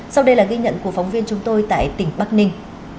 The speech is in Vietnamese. sau đây là ghi nhận của phóng viên chúng tôi tại tỉnh bắc ninh